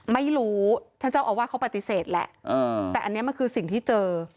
ไม่รู้ท่านเจ้าอาวาสเขาปฏิเสธแหละแต่อันนี้มันคือสิ่งที่เจอ